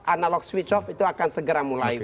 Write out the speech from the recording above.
analog switch off itu akan segera mulai